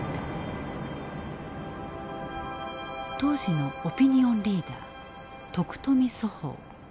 当時のオピニオンリーダー徳富蘇峰。